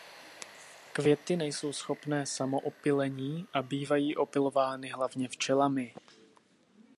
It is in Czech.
Květy nejsou schopné samoopylení a bývají opylovány hlavně včelami.